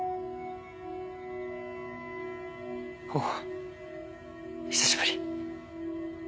おお久しぶり。